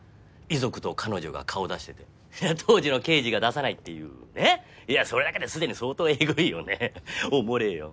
遺族と彼女が顔出してて当時の刑事が出さないっていうねぇいやそれだけで既に相当えぐいよねおもれぇよ。